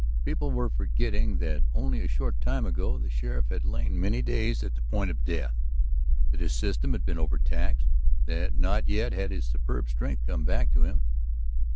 People were forgetting that only a short time ago the sheriff had lain many days at the point of death; that his system had been overtaxed; that not yet had his superb strength come back to him.